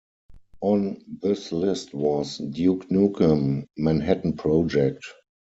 On this list was "Duke Nukem: Manhattan Project".